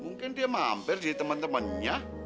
mungkin dia mampir di temen temennya